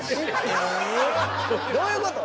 どういうこと？